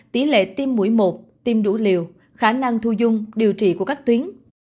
tỷ lệ tiêm mũi một tiêm đủ liều khả năng thu dung điều trị của các tuyến